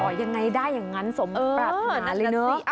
อ๋อยังไงได้อย่างงั้นสมปรัฐหนาเลยเนอะ